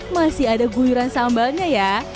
masih ada guyuran sambalnya ya